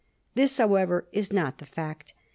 This, however, is not the fact.